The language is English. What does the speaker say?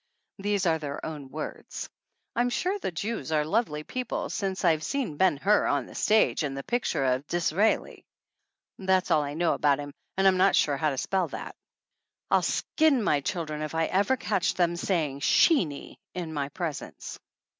These are their own words. I'm sure the Jews are lovely people since I've seen Ben Hur on the stage and the picture of Dis Disraeli. That's all I know about him and I'm not sure how to spell that. I'll skin my children if I ever catch them saying "Sheenie" in my presence.